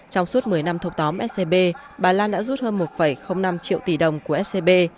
trong suốt một mươi năm thâu tóm scb bà lan đã rút hơn một năm triệu tỷ đồng của scb